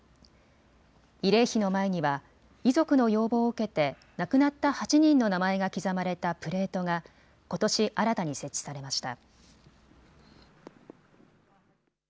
慰霊碑の前には遺族の要望を受けて亡くなった８人の名前が刻まれたプレートがことし新たに設置されました。